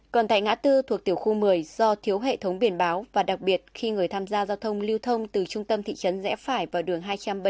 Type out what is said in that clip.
còn tại ngã tư thuộc tiểu khu một mươi do thiếu hệ thống biển báo và đặc biệt khi người tham gia giao thông lưu thông từ trung tâm thị trấn rẽ phải vào đường hai trăm bảy mươi bảy